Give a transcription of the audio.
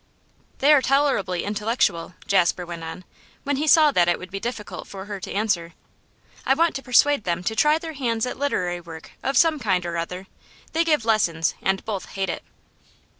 'They are tolerably intellectual,' Jasper went on, when he saw that it would be difficult for her to answer. 'I want to persuade them to try their hands at literary work of some kind or other. They give lessons, and both hate it.